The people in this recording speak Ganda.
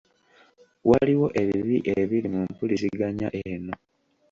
Waliwo ebibi ebiri mu mpuliziganya eno.